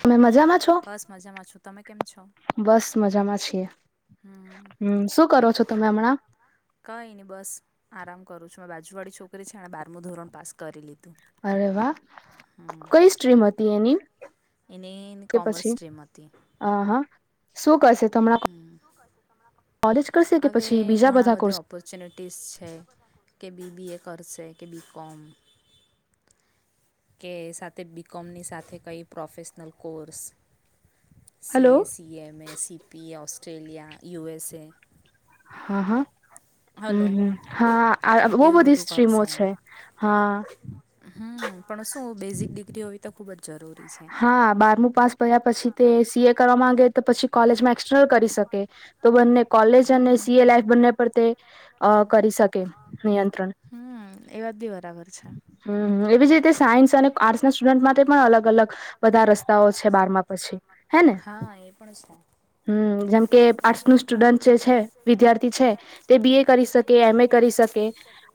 તમે મજામાં છો? બસ મજામાં છીએ. હમ, શું કરો છો તમે હમણાં? કઈ નઈ બસ આરામ કરું છું, માર બાજુવાળી છોકરી છે, એને બારમું ધોરણ પાસ કરી લીધું. અરે વાહ.. કઈ સ્ટ્રીમ હતી એની એની કોમર્સ સ્ટ્રીમ હતી. આ.. હા, શું કરશે તો હમણાં શું કરશે તો હમણાં? હવે ઘણા બધા ઓપ પચ્યુનિટીસ છે કે, બી. બી. એ કરશે કે, બી. કોમ કે સાથે બી કોમની સાથે કંઈ professional course CS C. M. A, C. P Australia, U. S. A હા.. હા હમ.. હમ. હા, આ બોવ બધી સ્ટ્રીમો છે હા હા, પણ શું બેઝિક ડિગ્રી હોવી તો ખુબ જ જરૂરી છે. હા, બારમું પાસ કર્યાં પછી તો સીએ કરવા માંગે તો પછી કોલેજમાં એક્ટર્નલ કરી શકે, તો બંને કોલેજ અને સીએ લાઈફ બંને પર તે કરી શકે. હા કરી શકીએ, હા એ વાત બી બરાબર છે. હમમ, એવી જ રીતે સાયન્સ અને આર્ટ્સ ના સ્ટુડન્ટ માટે પણ અલગ-અલગ બધા રસ્તાઓ છે બારમાં પછી હે ને હમ્મ, જેમ કે આર્ટસ નું સ્ટુડન્ટ જે છે, વિદ્યાર્થી છે તે બી. એ કરી શકે, એમ. એ કરી શકે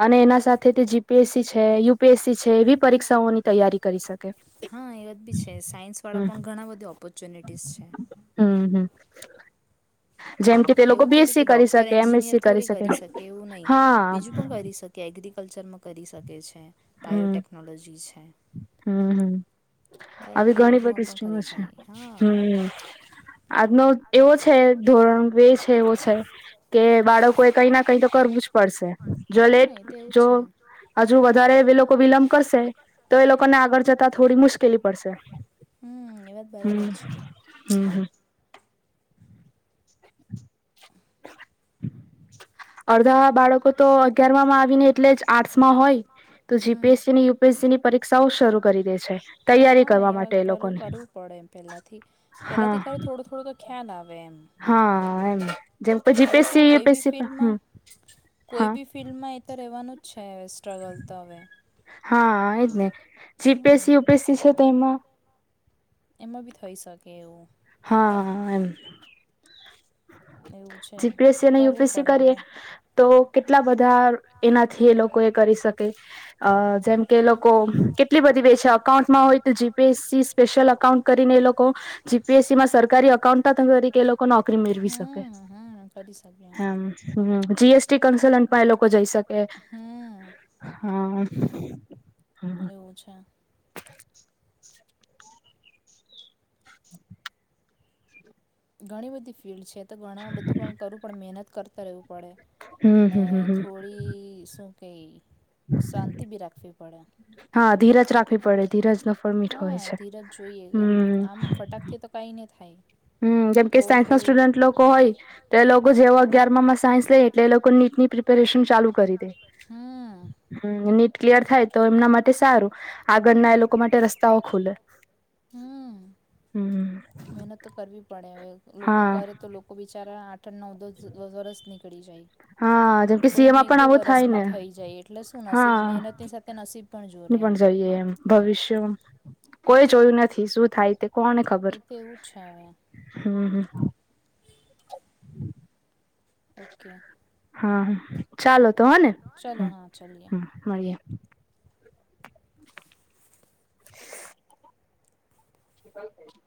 અને એના સાથે તે જીપીએસસી છે, યુપીએસસી છે, એ બી પરીક્ષાઓની તૈયારી કરી શકે હા એ વાત બી છે, સાયન્સ વાળા પણ ઘણા બધા ઓપોર્ચ્યુનિટીસ છે. હમ એવું થોડી કે ડોક્ટર, એન્જિનિયર થોડી કરી શકે એવું નહી, બીજું પણ કરી શકે કે એગ્રિકલ્ચર મા કરી શકે છે, બાયોટેકનોલોજી છે. હમ આવી ઘણી બધી સ્ટ્રીમો છે, હમ આજનો એવું છે, ધોરણ બે છે એવો છે. કે બાળકો એ કઈ ના કઈ તો કરવું જ પડશે, જો લેટ જો હજુ વધારે લોકો વિલંબ કરશે તો એ લોકોને આગળ જતા થોડી મુશ્કેલી પડશે હમ હમ [inaudible] અડધા બાળકો તો અગિયારમામાં આવી ને એટલે જ આર્ટસમાં હોય તો જીપીએસસી ને યુપીએસસી ની પરીક્ષાઓ શરૂ કરી દે છે તૈયારી કરવા માટે એ લોકોની પેલાથી કરો થોડો થોડો તો ખ્યાલ આવે એમ હા એમ જેમ કે જીપીએસસી યુંપીએસસી પણ હમ. કોઈ બી ફિલ્ડમાં એ તો રહેવાનું જ છે હવે સ્ટ્રગલ તો હવે હા એ જ ને જીપીએસસી યુપીએસસી છે તો એમા એમાં બી થઈ શકે એવું હા એમ જીપીએસસી અને યુપીએસસી કરીએ તો કેટલા બધા એનાથી એ લોકો એ કરી શકે જેમ કે લોકો કેટલી બધી બેચ છે અકાઉન્ટમાં હોય તો જીપીએસી સ્પેશિયલ એકાઉન્ટ કરીને એ લોકો જીપીએસસીમાં સરકારી અકાઉન્ટટ તરીકે એ લોકો નોકરી મેળવી શકે. [unintelligible] હમ હમ જીએસટી કન્સલન્ટમાં એ લોકો જઈ શકે હમ ઓછા [inaudible] ઘણી બધી ફિલ્ડ છે તો ઘણામાં બધું પણ કરું પણ મહેનત કરતા કરવુ પડે ને થોડી શું કેઈ શાંતિ બી રાખવી પડે હા ધીરજ રાખવી પડે ધીરજ નું ફળ મીઠો હોય છે! હમ [unintelligible] તો કાય નઈ થાય હમ જેમકે સાયન્સ ના સ્ટુડન્ટ લોકો હોય તો એ લોકો જેવો અગિયાર માં સાયન્સ લે એટલે એ લોકોની ની પ્રિપેરેશન ચાલુ કરી દે ક્લિયર થાય તો એમના માટે સારું આગળના એ લોકો માટે રસ્તાઓ ખુલે હમ મહેનત તો કરવી પડે હવે લોકો કરે તો લોકો બિચારા આઠ નવ દો વરસ નીકળી જાય કોઈનું એક બે વરસમાં થઈ જાય એટલે શું નસીબ મહેનત ની સાથે નસીબ ની પણ જઈએ એમ ભવિષ્ય કોઈ જોયું નથી શું થાય તે કોને ખબર- હમ હમ હા હ ચાલો તો હને હમ હ મળીએ [inaudible] [unintelligible]